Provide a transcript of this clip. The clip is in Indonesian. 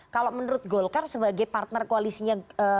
kalau menurut golkar sebagai partner koalisinya